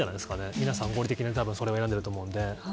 皆さん合理的にそれを選んでいると思うので。